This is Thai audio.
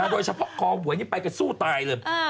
โดยเฉพาะคอเวียไปกับซู่ตายเลย